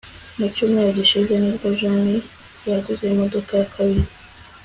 Mu cyumweru gishize nibwo John yaguze imodoka ya kabiri